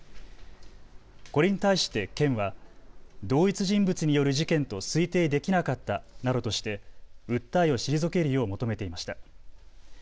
これに対して県は同一人物による事件と推定できなかったなどとして訴えを退けるよう求めていました。